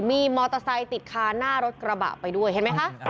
มีมอเตอร์ไซค์ติดคาหน้ารถกระบะไปด้วยเห็นไหมคะ